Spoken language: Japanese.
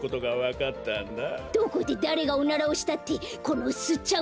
どこでだれがおならをしたってこのすっちゃう